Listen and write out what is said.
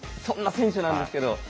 そんな選手なんですけど。